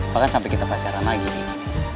bahkan sampai kita pacaran lagi nih